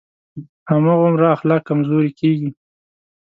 هماغومره اخلاق کمزوری کېږي.